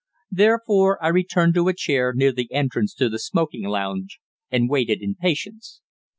Therefore I returned to a chair near the entrance to the smoking lounge, and waited in patience.